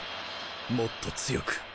もっと強く！